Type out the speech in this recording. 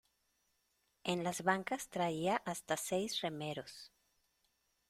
en las bancas traía hasta seis remeros.